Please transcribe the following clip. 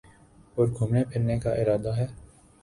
اور گھومنے پھرنے کا ارادہ ہے